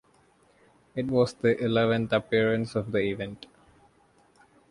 It was the eleventh appearance of the event.